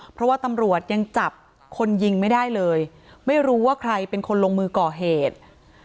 เพราะว่าตำรวจยังจับคนยิงไม่ได้เลยไม่รู้ว่าใครเป็นคนลงมือก่อเหตุ